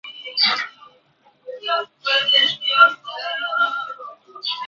こんにちはみなさん